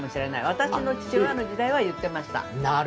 私の父親の時代は言ってました。